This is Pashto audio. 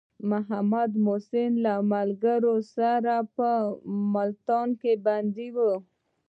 محمودالحسن له ملګرو سره په مالټا کې بندي و.